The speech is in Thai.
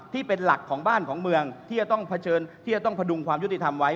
ที่เป็นหลักของบ้านของเมืองที่จะต้องผดุงความยุติธรรมไว้